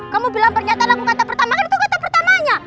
kamu bilang pernyataan aku kata pertama kan itu kata pertamanya